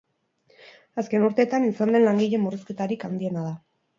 Azken urteetan izan den langile murrizketarik handiena da.